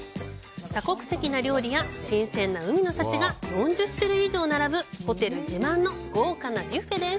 多国籍な料理や新鮮な海の幸が４０種類以上並ぶホテル自慢の豪華なビュッフェです！